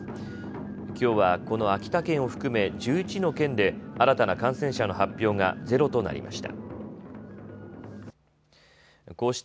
きょうはこの秋田県を含め１１の県で新たな感染者の発表がゼロとなりました。